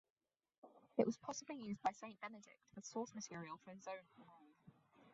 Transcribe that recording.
It was possibly used by Saint Benedict as source material for his own "Rule".